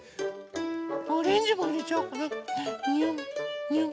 オレンジもいれちゃおうかな。によんにょん。